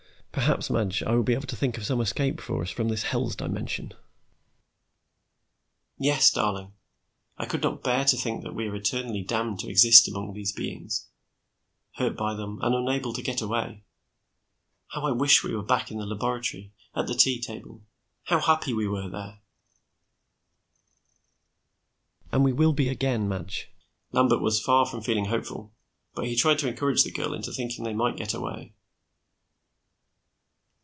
Perhaps, Madge, I will be able to think of some escape for us from this Hell's Dimension." "Yes, darling. I could not bear to think that we are eternally damned to exist among these beings, hurt by them and unable to get away. How I wish we were back in the laboratory, at the tea table. How happy we were there!" "And we will be again, Madge." Lambert was far from feeling hopeful, but he tried to encourage the girl into thinking they might get away.